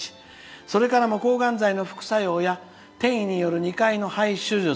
それからも抗がん剤の副作用や転移による２回の大手術。